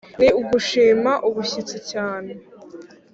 ni ugushima ubushyitsi cyane?